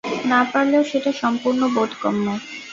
না পারলেও সেটা সম্পূর্ণ বোধগম্য।